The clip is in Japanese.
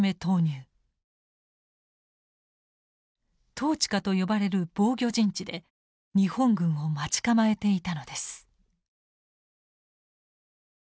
トーチカと呼ばれる防御陣地で日本軍を待ち構えていたのです。